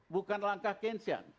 bukan langkah keynesian